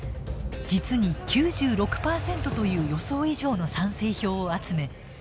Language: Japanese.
実に９６％という予想以上の賛成票を集め